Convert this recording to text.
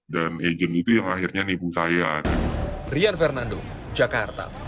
dan agent itu yang akhirnya nipu saya